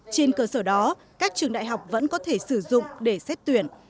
trên cơ sở đó các trường đại học vẫn có thể sử dụng để xét tuyển